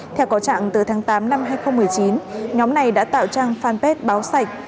theo có trạng từ tháng tám năm hai nghìn một mươi chín nhóm này đã tạo trang fanpage báo sạch